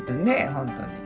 本当に。